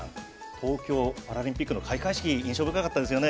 東京パラリンピックの開会式印象深かったですよね。